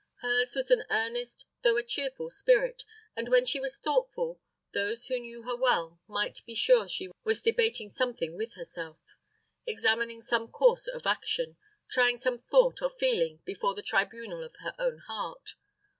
Hers was an earnest, though a cheerful spirit, and when she was thoughtful, those who knew her well might be sure she was debating something with herself, examining some course of action, trying some thought or feeling before the tribunal of her own heart.